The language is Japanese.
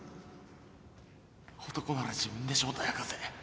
男なら自分で正体明かせ